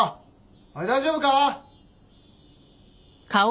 おい大丈夫か？